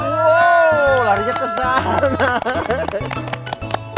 wow larinya kesana